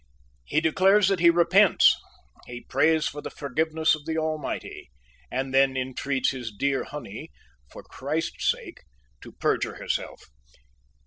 He declares that he repents; he prays for the forgiveness of the Almighty, and then intreats his dear honey, for Christ's sake, to perjure herself.